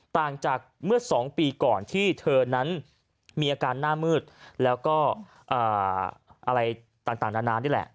ต่างจากเมื่อ๒ปีก่อนที่เธอนั้นมีอาการหน้ามืดแล้วก็อะไรต่างนานานี่แหละ